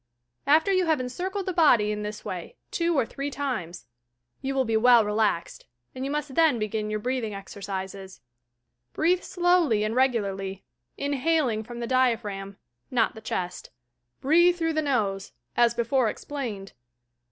After you have encircled the body in this way two or three SPIRITUAL HEALING 161 times, you will be well relaxed; and you must then begin your breathing exercises. Breathe slowly and regularly, inhaling from the diaphragm, not the chest. Breathe through the nose, as before explained.